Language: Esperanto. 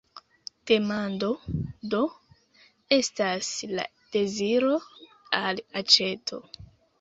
Demando, do, estas la deziro al aĉeto.